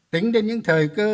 tính đến những thời cơ